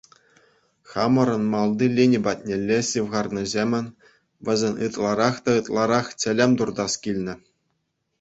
Хамӑрӑн малти лини патнелле ҫывхарнӑҫемӗн вӗсен ытларах та ытларах чӗлӗм туртас килнӗ.